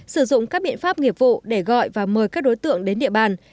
sử dụng các biện pháp nghiệp vụ để gọi và mời các đối tượng đến địa bàn